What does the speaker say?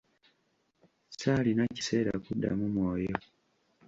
Saalina kiseera kuddamu mwoyo.